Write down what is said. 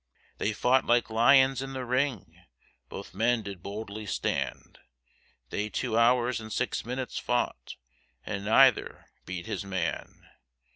They fought like lions in the ring, Both men did boldly stand, They two hours and six minutes fought, And neither beat his man.